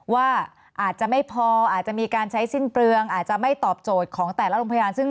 ว่าอาจจะไม่พออาจจะมีการใช้สิ้นเปลืองอาจจะไม่ตอบโจทย์ของแต่ละโรงพยาบาลซึ่ง